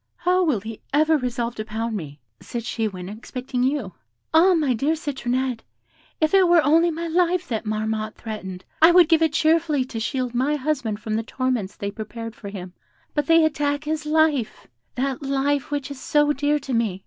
'How will he ever resolve to pound me?' said she when expecting you. 'Ah, my dear Citronette, if it were only my life that Marmotte threatened, I would give it cheerfully to shield my husband from the torments they prepared for him; but they attack his life that life which is so dear to me.